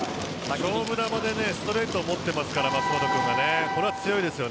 勝負球でストレートを持っていますから舛本君がね